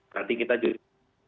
nanti kita juga